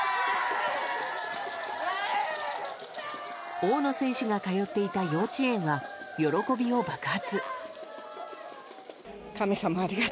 大野選手が通っていた幼稚園が喜びを爆発。